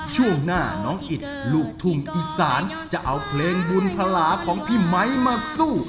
ช่วงหน้าน้องอิตลูกทุ่งอีสานจะเอาเพลงบุญพลาของพี่ไมค์มาสู้